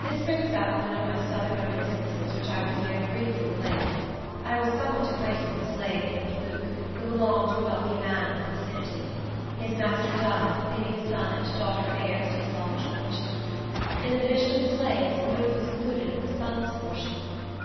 This brings up one of my Southern reminiscences, which I will here briefly relate. I was somewhat acquainted with a slave named Luke, who belonged to a wealthy man in our vicinity. His master died, leaving a son and daughter heirs to his large fortune. In the division of the slaves, Luke was included in the son's portion.